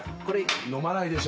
飲まないでしょ